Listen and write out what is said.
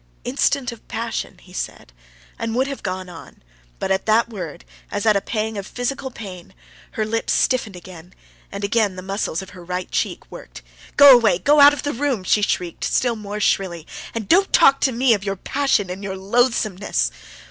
"—instant of passion?" he said, and would have gone on, but at that word, as at a pang of physical pain, her lips stiffened again, and again the muscles of her right cheek worked. "Go away, go out of the room!" she shrieked still more shrilly, "and don't talk to me of your passion and your loathsomeness."